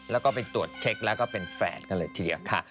แล้วก็ไปตรวจเช็คแล้วก็เป็นแฝดกันเลยทีเดียวค่ะ